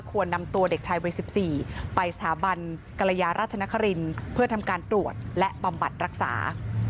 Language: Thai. นำตัวเด็กชายวัย๑๔ไปสถาบันกรยาราชนครินทร์เพื่อทำการตรวจและบำบัดรักษา